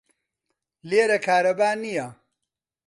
لێرە کارەبا نییە.